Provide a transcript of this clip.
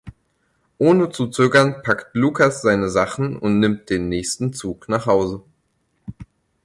Ohne zu zögern packt Lukas seine Sachen und nimmt den nächsten Zug nach Hause.